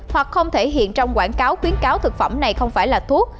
hoặc không thể hiện trong quảng cáo khuyến cáo thực phẩm này không phải là thuốc